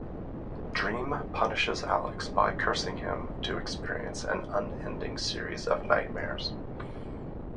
Dream punishes Alex by cursing him to experience an unending series of nightmares.